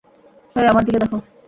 হেই, আমার দিকে দেখো।